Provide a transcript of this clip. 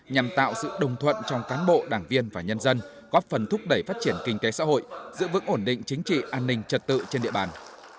nhằm tạo sự đồng thuận trong cán bộ đảng viên và nhân dân góp phần thúc đẩy phát triển kinh tế xã hội giữ vững ổn định chính trị an ninh trật tự trên địa bàn